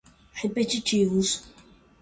repetitivos